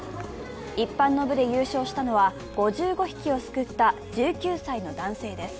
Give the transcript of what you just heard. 一般の部で優勝したのは５５匹をすくった１９歳の男性です。